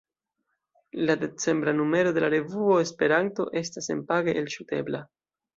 La decembra numero de la revuo Esperanto estas senpage elŝutebla.